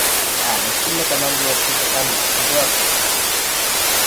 Äänestimme tämän vuoksi tätä mietintöä vastaan.